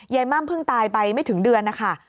ม่ำเพิ่งตายไปไม่ถึงเดือนนะคะ